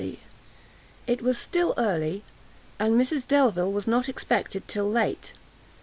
It was still early, and Mrs Delvile was not expected till late.